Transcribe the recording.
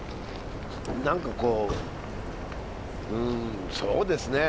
何かこううんそうですね